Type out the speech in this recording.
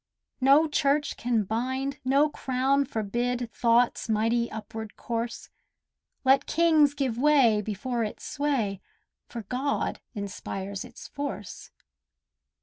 No church can bind, no crown forbid Thought's mighty upward course— Let kings give way before its sway, For God inspires its force.